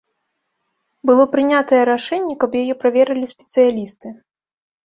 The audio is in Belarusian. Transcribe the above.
Было прынятае рашэнне, каб яе праверылі спецыялісты.